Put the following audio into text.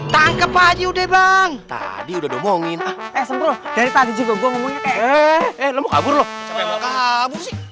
tangkep aja udah bang tadi udah ngomongin eh dari tadi juga gue ngomongin kabur kabur